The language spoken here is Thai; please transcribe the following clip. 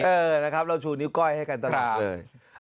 เออนะครับเราชูนิ้วก้อยให้กันตลอดเลย